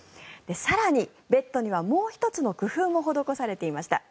更に、ベッドにはもう１つの工夫も施されていました。